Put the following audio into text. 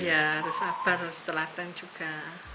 iya harus sabar harus telatan juga